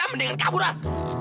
amin dengan kaburan